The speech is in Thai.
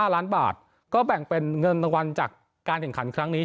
๕ล้านบาทก็แบ่งเป็นเงินรางวัลจากการแข่งขันครั้งนี้